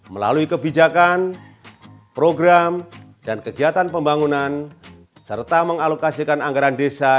melalui kemampuan perempuan dan anak mereka bisa memiliki kekuatan yang berbeda